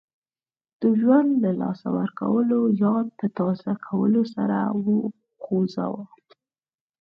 د ژوند له لاسه ورکولو یاد په تازه کولو سر وخوځاوه.